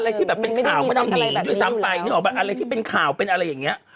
รู้อะไรที่แบบเป็นข่าวไม่ทำหนีด้วยซ้ำไปอะไรที่เป็นข่าวเป็นอะไรอย่างเงี้ย